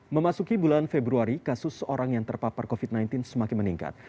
memasuki bulan februari kasus orang yang terpapar covid sembilan belas semakin meningkat